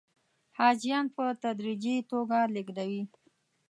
حاجیان په تدریجي توګه لېږدوي.